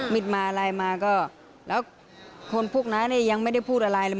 มาอะไรมาก็แล้วคนพวกนั้นเนี่ยยังไม่ได้พูดอะไรเลย